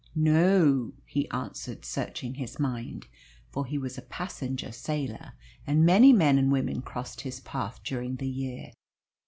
"No o o," he answered, searching his mind. For he was a passenger sailor, and many men and women crossed his path during the year.